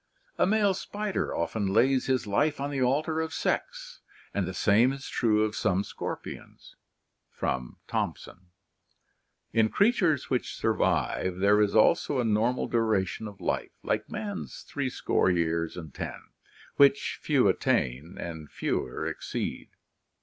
A male spider often lays his life on the altar of sex, and the same is true of some scorpions" (Thomson). In creatures which survive there is also a normal duration of life, like man's three score years and ten, which few attain and fewer exceed.